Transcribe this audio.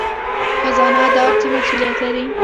خزانه دار څه مسوولیت لري؟